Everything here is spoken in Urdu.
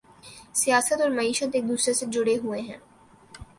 سیاست اور معیشت ایک دوسرے سے جڑے ہوئے ہیں۔